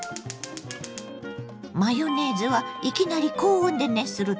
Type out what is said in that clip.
マヨネーズはいきなり高温で熱すると分離しやすいの。